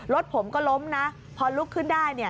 รถผมก็ล้มนะพอลุกขึ้นได้